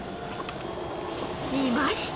いました！